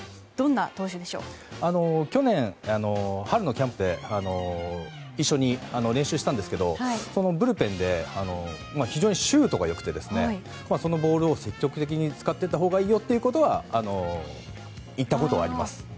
去年、春のキャンプで一緒に練習したんですけどブルペンで非常にシュートが良くてそのボールを積極的に使っていったほうがいいよということは言ったことはあります。